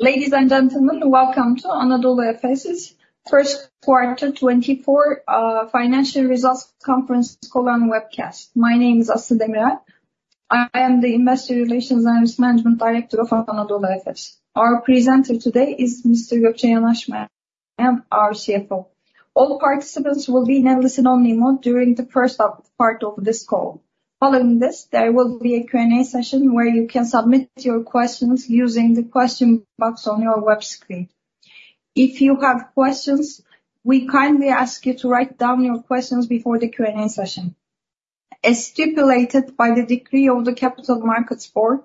Ladies and gentlemen, welcome to Anadolu Efes' first quarter 2024 financial results conference call and webcast. My name is Aslı Demirel. I am the Investor Relations and Risk Management Director of Anadolu Efes. Our presenter today is Mr. Gökçe Yanaşmayan, and our CFO. All participants will be in listen-only mode during the first part of this call. Following this, there will be a Q&A session where you can submit your questions using the question box on your web screen. If you have questions, we kindly ask you to write down your questions before the Q&A session. As stipulated by the Decree of the Capital Markets Board,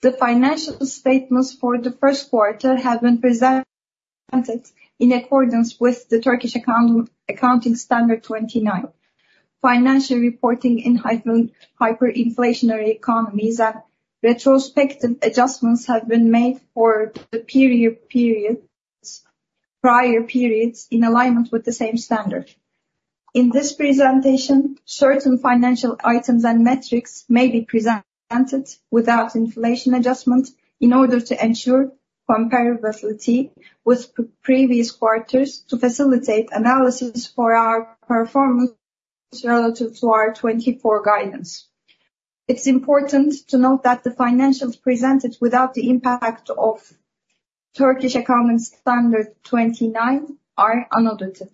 the financial statements for the first quarter have been presented in accordance with the Turkish Accounting Standard 29. Financial reporting in hyperinflationary economies and retrospective adjustments have been made for the prior periods in alignment with the same standard. In this presentation, certain financial items and metrics may be presented without inflation adjustment, in order to ensure comparability with previous quarters to facilitate analysis for our performance relative to our 2024 guidance. It's important to note that the financials presented without the impact of Turkish Accounting Standard 29 are unaudited.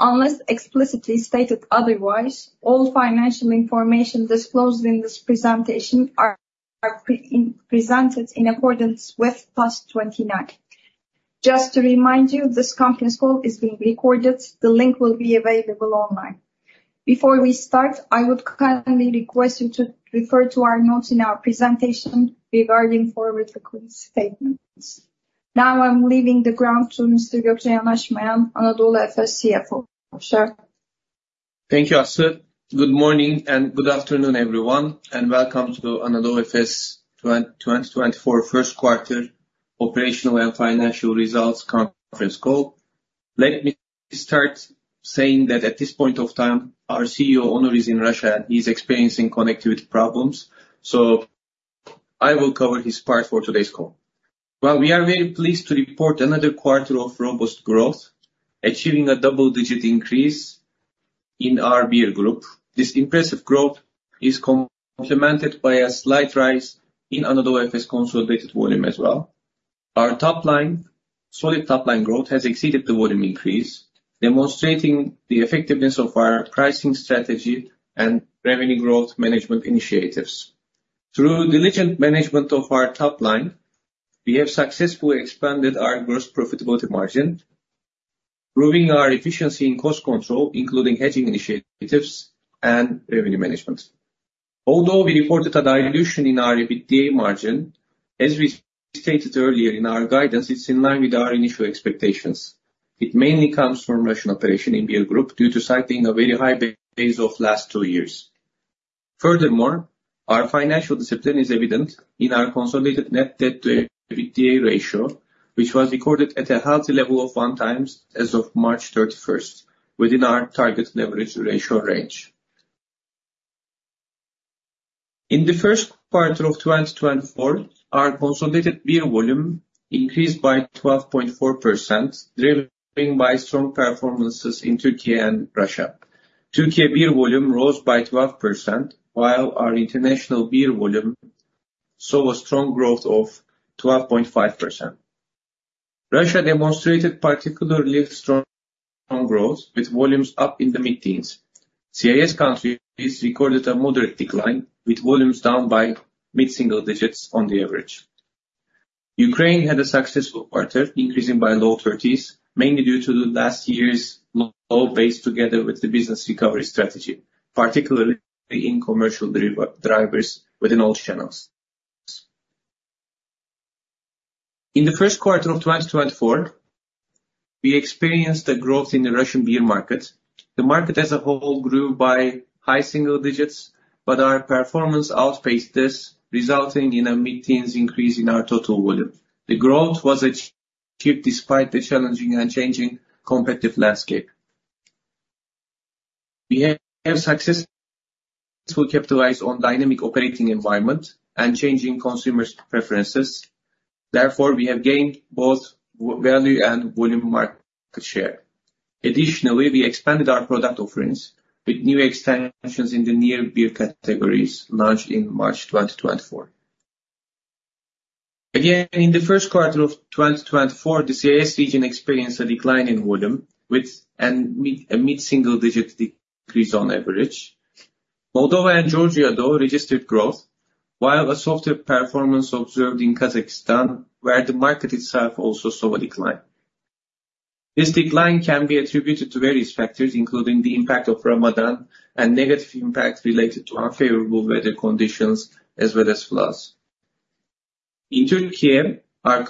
Unless explicitly stated otherwise, all financial information disclosed in this presentation are presented in accordance with TAS 29. Just to remind you, this conference call is being recorded. The link will be available online. Before we start, I would kindly request you to refer to our notes in our presentation regarding forward-looking statements. Now, I'm leaving the ground to Mr. Gökçe Yanaşmayan, Anadolu Efes CFO. Sir? Thank you, Aslı. Good morning and good afternoon, everyone, and welcome to Anadolu Efes 2024 first quarter operational and financial results conference call. Let me start saying that at this point of time, our CEO, Onur, is in Russia, and he's experiencing connectivity problems, so I will cover his part for today's call. Well, we are very pleased to report another quarter of robust growth, achieving a double-digit increase in our Beer Group. This impressive growth is complemented by a slight rise in Anadolu Efes consolidated volume as well. Our top line, solid top-line growth has exceeded the volume increase, demonstrating the effectiveness of our pricing strategy and revenue growth management initiatives. Through diligent management of our top line, we have successfully expanded our gross profitability margin, proving our efficiency in cost control, including hedging initiatives and revenue management. Although we reported a dilution in our EBITDA margin, as we stated earlier in our guidance, it's in line with our initial expectations. It mainly comes from Russian operation in Beer Group due to cycling a very high base of last two years. Furthermore, our financial discipline is evident in our consolidated net debt to EBITDA ratio, which was recorded at a healthy level of 1x as of March 31, within our target leverage ratio range. In the first quarter of 2024, our consolidated beer volume increased by 12.4%, driven by strong performances in Türkiye and Russia. Türkiye beer volume rose by 12%, while our international beer volume saw a strong growth of 12.5%. Russia demonstrated particularly strong, strong growth, with volumes up in the mid-teens. CIS countries recorded a moderate decline, with volumes down by mid-single digits on the average. Ukraine had a successful quarter, increasing by low 30s, mainly due to last year's low base, together with the business recovery strategy, particularly in commercial drivers within all channels. In the first quarter of 2024, we experienced a growth in the Russian beer market. The market as a whole grew by high single digits, but our performance outpaced this, resulting in a mid-teens increase in our total volume. The growth was achieved despite the challenging and changing competitive landscape. We have successfully capitalized on dynamic operating environment and changing consumers' preferences. Therefore, we have gained both value and volume market share. Additionally, we expanded our product offerings with new extensions in the near beer categories, launched in March 2024. Again, in the first quarter of 2024, the CIS region experienced a decline in volume with a mid-single digit decrease on average. Moldova and Georgia, though, registered growth, while a softer performance observed in Kazakhstan, where the market itself also saw a decline. This decline can be attributed to various factors, including the impact of Ramadan and negative impact related to unfavorable weather conditions, as well as floods. In Türkiye, our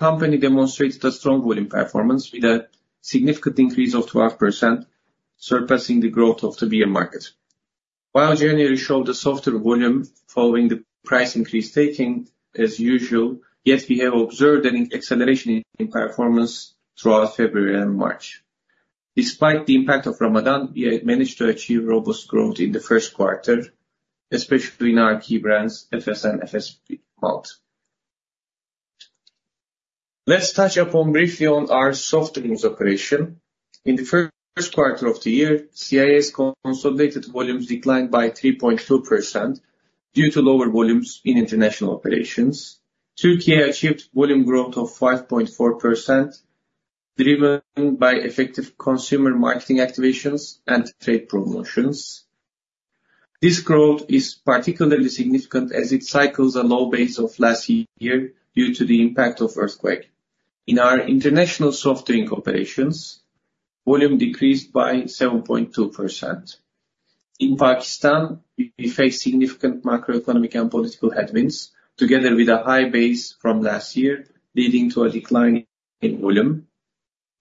company demonstrated a strong volume performance with a significant increase of 12%, surpassing the growth of the beer market. While January showed a softer volume following the price increase, taking as usual, yet we have observed an acceleration in performance throughout February and March. Despite the impact of Ramadan, we have managed to achieve robust growth in the first quarter, especially in our key brands, Efes and Efes Malt. Let's touch upon briefly on our soft drinks operation. In the first quarter of the year, CIS consolidated volumes declined by 3.2% due to lower volumes in international operations. Türkiye achieved volume growth of 5.4%, driven by effective consumer marketing activations and trade promotions. This growth is particularly significant as it cycles a low base of last year due to the impact of earthquake. In our international soft drink operations, volume decreased by 7.2%. In Pakistan, we face significant macroeconomic and political headwinds, together with a high base from last year, leading to a decline in volume.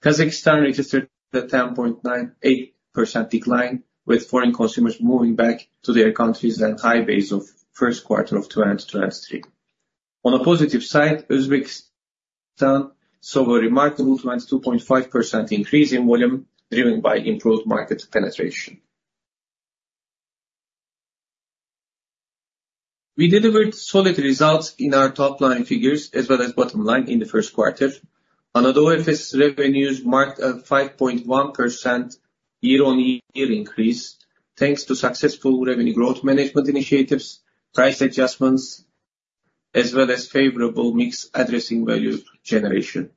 Kazakhstan registered a 10.98% decline, with foreign consumers moving back to their countries and high base of first quarter of 2023. On a positive side, Uzbekistan saw a remarkable 22.5% increase in volume, driven by improved market penetration. We delivered solid results in our top line figures as well as bottom line in the first quarter. Anadolu Efes revenues marked a 5.1% year-on-year increase, thanks to successful revenue growth management initiatives, price adjustments, as well as favorable mix addressing value generation.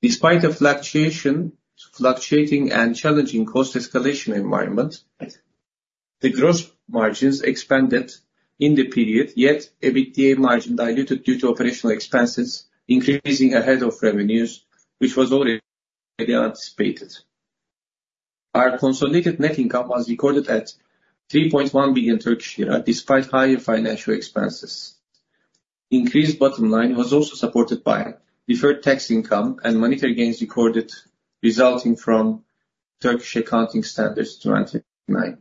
Despite the fluctuation, fluctuating and challenging cost escalation environment, the gross margins expanded in the period, yet EBITDA margin diluted due to operational expenses increasing ahead of revenues, which was already anticipated. Our consolidated net income was recorded at 3.1 billion Turkish lira, despite higher financial expenses. Increased bottom line was also supported by deferred tax income and monetary gains recorded resulting from Turkish Accounting Standard 29.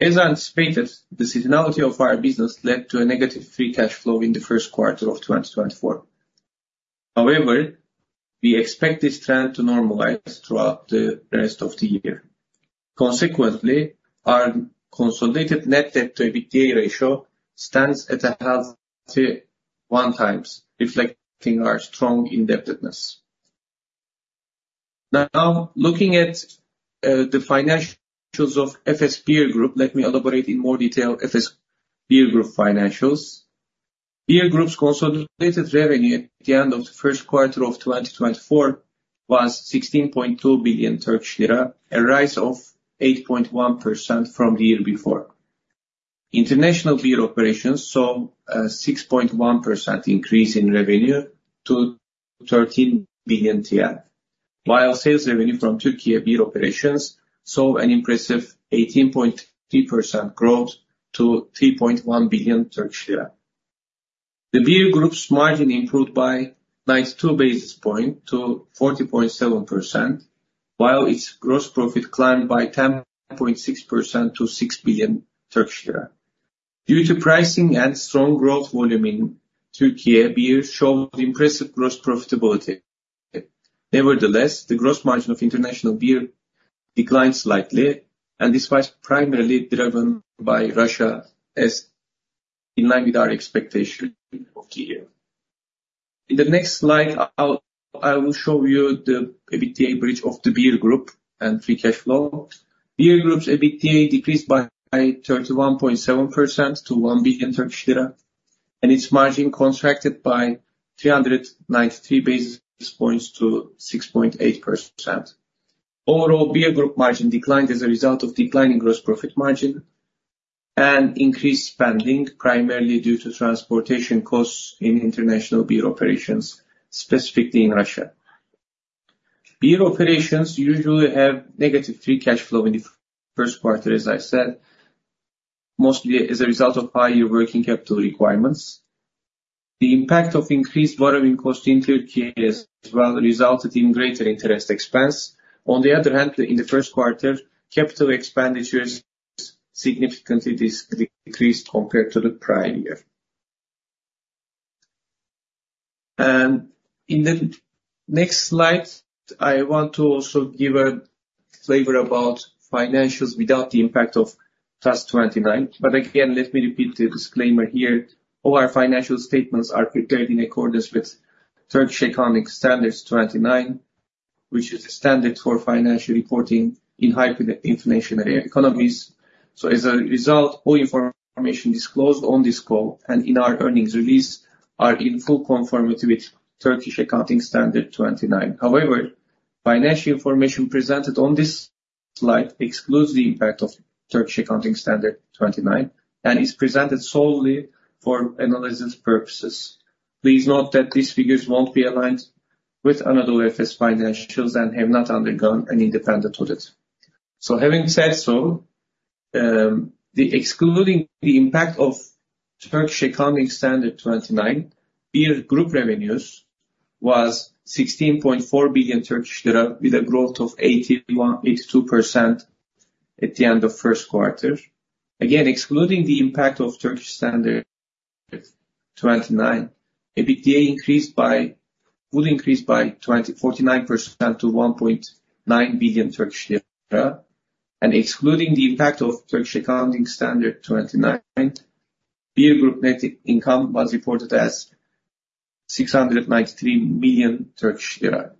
As anticipated, the seasonality of our business led to a negative free cash flow in the first quarter of 2024. However, we expect this trend to normalize throughout the rest of the year. Consequently, our consolidated net debt to EBITDA ratio stands at a healthy 1x, reflecting our strong indebtedness. Now, looking at the financials of Efes Beer Group, let me elaborate in more detail Efes Beer Group financials. Beer Group's consolidated revenue at the end of the first quarter of 2024 was 16.2 billion Turkish lira, a rise of 8.1% from the year before. International beer operations saw a 6.1% increase in revenue to 13 billion TL, while sales revenue from Türkiye beer operations saw an impressive 18.3% growth to 3.1 billion Turkish lira. The Beer Group's margin improved by 92 basis points to 40.7%, while its gross profit climbed by 10.6% to 6 billion Turkish lira. Due to pricing and strong growth volume in Türkiye, beer showed impressive gross profitability. Nevertheless, the gross margin of international beer declined slightly, and this was primarily driven by Russia as in line with our expectation of the year. In the next slide, I will show you the EBITDA bridge of the Beer Group and free cash flow. Beer Group's EBITDA decreased by 31.7% to 1 billion Turkish lira, and its margin contracted by 393 basis points to 6.8%. Overall, Beer Group margin declined as a result of declining gross profit margin and increased spending, primarily due to transportation costs in international beer operations, specifically in Russia. Beer operations usually have negative free cash flow in the first quarter, as I said, mostly as a result of higher working capital requirements. The impact of increased borrowing costs in Türkiye as well resulted in greater interest expense. On the other hand, in the first quarter, capital expenditures significantly decreased compared to the prior year. And in the next slide, I want to also give a flavor about financials without the impact of TAS 29. But again, let me repeat the disclaimer here. All our financial statements are prepared in accordance with Turkish Accounting Standard 29, which is the standard for financial reporting in hyperinflationary economies. So as a result, all information disclosed on this call and in our earnings release are in full conformity with Turkish Accounting Standard 29. However, financial information presented on this slide excludes the impact of Turkish Accounting Standard 29, and is presented solely for analysis purposes. Please note that these figures won't be aligned with Anadolu Efes financials and have not undergone an independent audit. So having said so, excluding the impact of Turkish Accounting Standard 29, Beer Group revenues was TRY 16.4 billion, with a growth of 81%-82% at the end of the first quarter. Again, excluding the impact of Turkish Accounting Standard 29, EBITDA increased by 49% to 1.9 billion Turkish lira. Excluding the impact of Turkish Accounting Standard 29, Beer Group net income was reported as 693 million Turkish lira.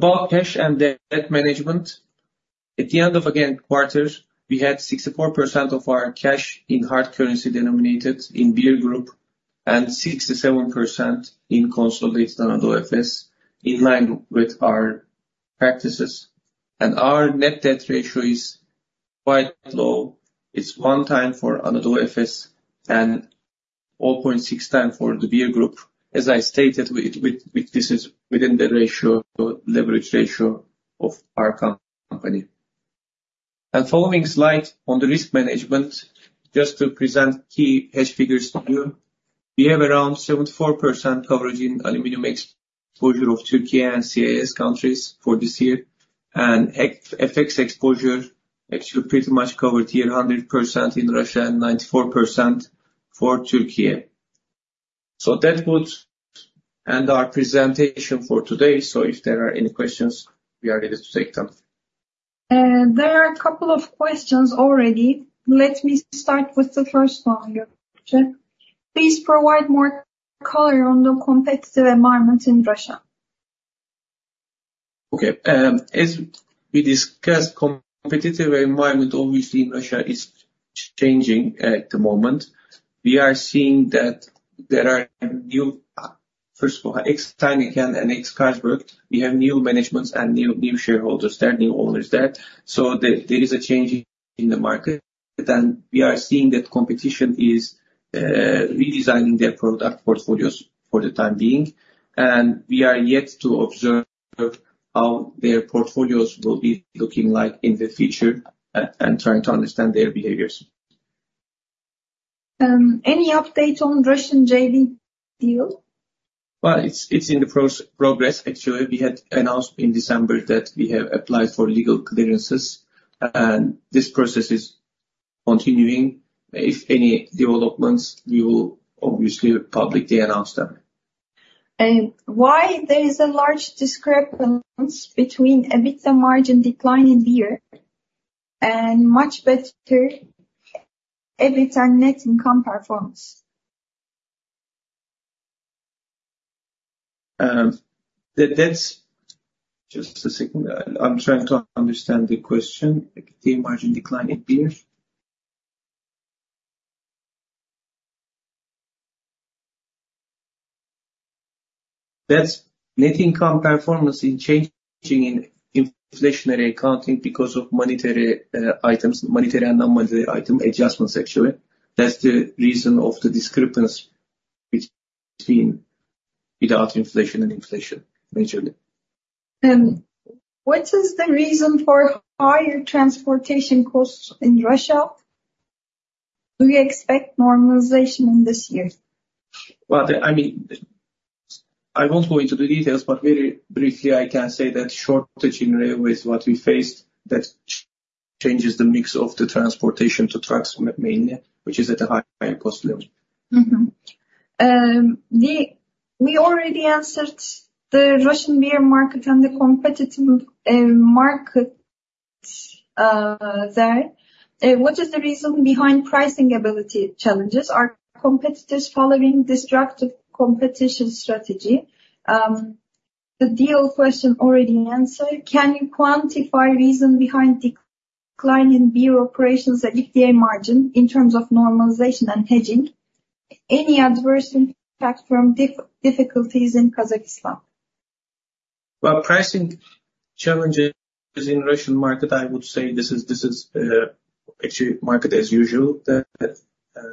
About cash and debt management, at the end of the quarter, we had 64% of our cash denominated in hard currency in Beer Group, and 67% in consolidated Anadolu Efes, in line with our practices. Our net debt ratio is quite low. It's 1x for Anadolu Efes, and 0.6x for the Beer Group. As I stated, this is within the ratio, leverage ratio of our company. Following slide on the risk management, just to present key hedge figures to you. We have around 74% coverage in aluminum exposure of Türkiye and CIS countries for this year, and FX exposure actually pretty much covered here, 100% in Russia and 94% for Türkiye. That would end our presentation for today, so if there are any questions, we are ready to take them. There are a couple of questions already. Let me start with the first one, Gökçe. Please provide more color on the competitive environment in Russia. Okay. As we discussed, competitive environment obviously in Russia is changing at the moment. We are seeing that there are new, first of all, ex-Heineken and ex-Carlsberg, we have new managements and new, new shareholders there, new owners there. So there, there is a change in the market, but then we are seeing that competition is redesigning their product portfolios for the time being, and we are yet to observe how their portfolios will be looking like in the future, and trying to understand their behaviors. Any update on Russian JV deal? Well, it's in progress. Actually, we had announced in December that we have applied for legal clearances, and this process is continuing. If any developments, we will obviously publicly announce them. Why there is a large discrepancy between EBITDA margin decline in beer and much better EBITDA net income performance? That's... Just a second. I'm trying to understand the question. EBITDA margin decline in beer? That's net income performance in changing, in inflationary accounting because of monetary items, monetary and non-monetary item adjustments, actually. That's the reason of the discrepancy between without inflation and inflation, majorly. What is the reason for higher transportation costs in Russia? Do you expect normalization in this year? Well, I mean, I won't go into the details, but very briefly, I can say that shortage in railways, what we faced, that changes the mix of the transportation to trucks mainly, which is at a high cost level. Mm-hmm. We already answered the Russian beer market and the competitive market there. What is the reason behind pricing ability challenges? Are competitors following destructive competition strategy? The deal question already answered. Can you quantify reason behind decline in beer operations, EBITDA margin in terms of normalization and hedging? Any adverse impact from difficulties in Kazakhstan? Well, pricing challenges in Russian market, I would say this is actually market as usual. The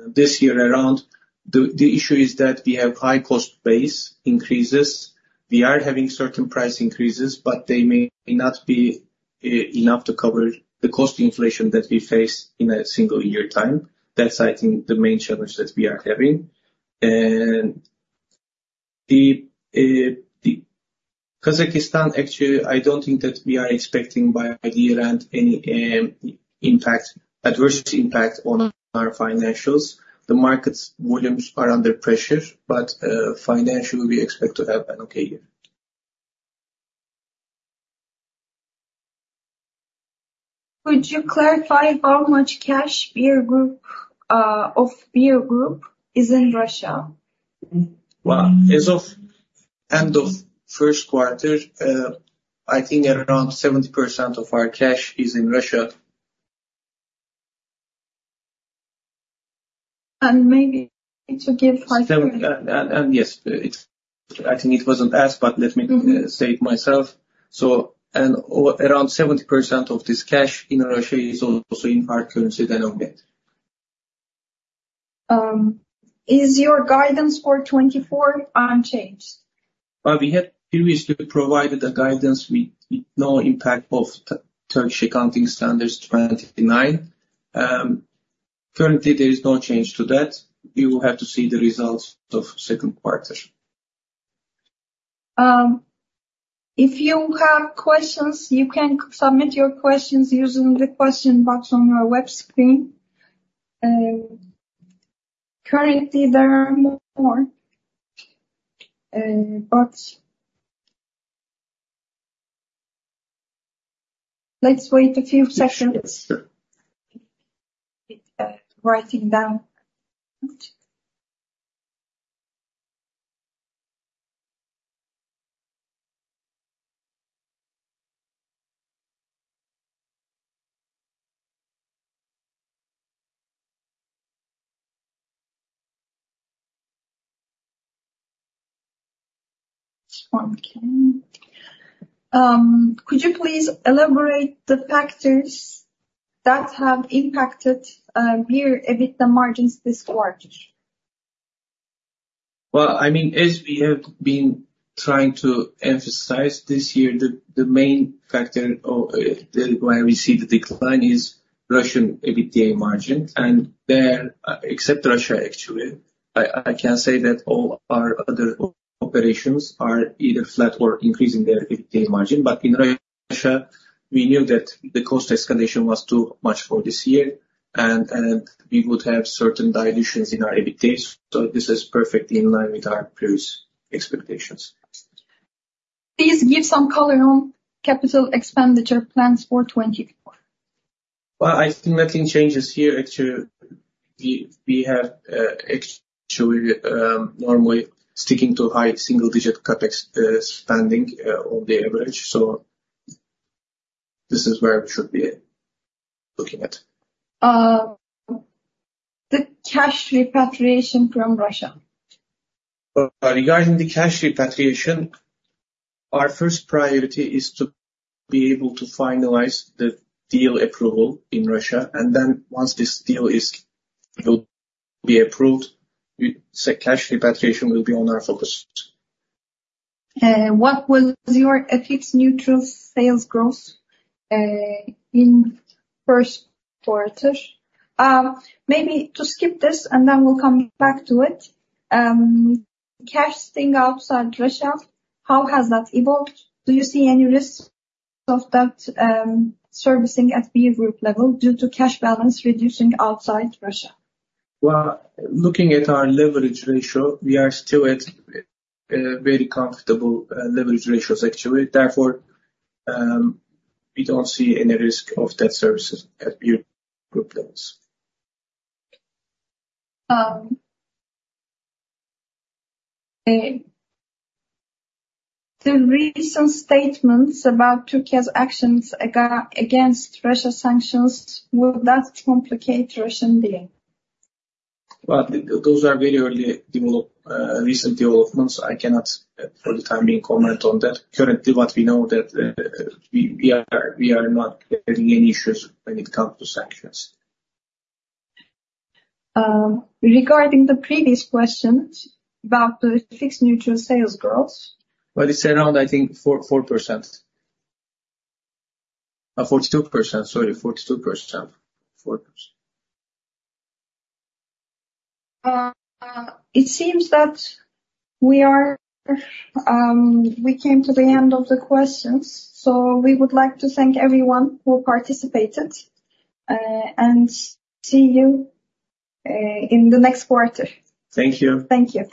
this year around, the issue is that we have high cost base increases. We are having certain price increases, but they may not be enough to cover the cost inflation that we face in a single year time. That's, I think, the main challenge that we are having. And the Kazakhstan, actually, I don't think that we are expecting any adverse impact on our financials. The market volumes are under pressure, but financially, we expect to have an okay year. Would you clarify how much cash of Beer Group is in Russia? Well, as of end of first quarter, I think around 70% of our cash is in Russia. And maybe to give like- Yes, I think it wasn't asked, but let me Mm-hmm say it myself. So and around 70% of this cash in Russia is also in hard currency denomination. Is your guidance for 2024 unchanged? Well, we had previously provided a guidance with no impact of Turkish Accounting Standard 29. Currently, there is no change to that. We will have to see the results of second quarter. If you have questions, you can submit your questions using the question box on your web screen. Currently, there are more, but let's wait a few seconds. It writing down. One came. Could you please elaborate the factors that have impacted your EBITDA margins this quarter? Well, I mean, as we have been trying to emphasize this year, the main factor of why we see the decline is Russian EBITDA margin, and there, except Russia, actually, I, I can say that all our other operations are either flat or increasing their EBITDA margin. But in Russia, we knew that the cost escalation was too much for this year, and, and we would have certain dilutions in our EBITDA, so this is perfectly in line with our previous expectations. Please give some color on capital expenditure plans for 2024? Well, I think nothing changes here, actually. We, we have actually normally sticking to high single-digit CapEx spending on the average, so this is where we should be looking at. The cash repatriation from Russia. Regarding the cash repatriation, our first priority is to be able to finalize the deal approval in Russia, and then once this deal will be approved, so cash repatriation will be on our focus. What was your FX-neutral sales growth in first quarter? Maybe to skip this, and then we'll come back to it. Cash staying outside Russia, how has that evolved? Do you see any risk of debt servicing at Beer Group level due to cash balance reducing outside Russia? Well, looking at our leverage ratio, we are still at very comfortable leverage ratios, actually. Therefore, we don't see any risk of debt services at Beer Group levels. The recent statements about Türkiye's actions against Russia sanctions, will that complicate Russian deal? Well, those are very early, recent developments. I cannot, for the time being, comment on that. Currently, what we know that we are not getting any issues when it comes to sanctions. Regarding the previous question about the FX-neutral sales growth? Well, it's around, I think, 44%, 42%, sorry, 42%. 4%. It seems that we came to the end of the questions. So we would like to thank everyone who participated, and see you in the next quarter. Thank you. Thank you.